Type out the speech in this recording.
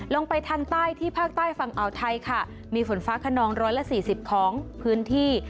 ลงไปทางใต้ที่ภาคใต้ฝั่งอ่าวไทยค่ะมีฝนฟ้าขนองร้อยละสี่สิบของพื้นที่